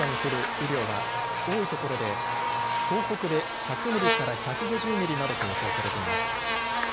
雨量は多いところで東北で１００ミリから１５０ミリなどと予想されています。